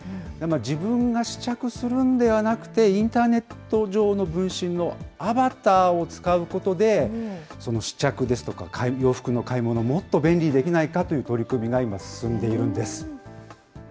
自分が試着するんではなくて、インターネット上の分身のアバターを使うことで、試着ですとか洋服の買い物をもっと便利にできないかといった取りあれ？